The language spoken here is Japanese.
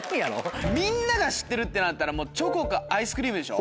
みんなが知ってるってなったらチョコかアイスクリームでしょ。